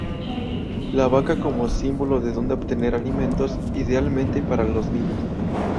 La vaca como símbolo de donde obtener alimentos, idealmente para los niños.